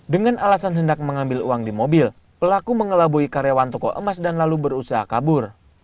dengan alasan hendak mengambil uang di mobil pelaku mengelabui karyawan toko emas dan lalu berusaha kabur